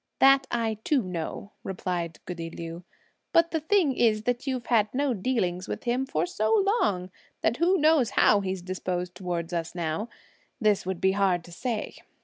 "That I too know," replied goody Liu, "but the thing is that you've had no dealings with him for so long, that who knows how he's disposed towards us now? this would be hard to say.